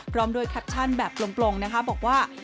พร้อมด้วยแคปชั่นแบบลงนะคะบอกว่า